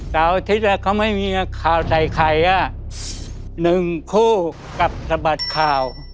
สาวอาทิตย์แล้วเขาไม่มีข่าวใส่ไข่อ่ะหนึ่งคู่กัดสะบัดข่าว